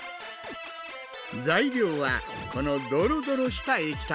材料はこのドロドロした液体です。